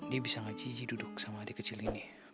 dia bisa gak jijik duduk sama adik kecil ini